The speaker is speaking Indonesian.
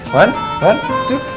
satu dua tiga go